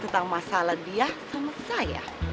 tentang masalah dia sama saya